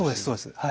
そうです。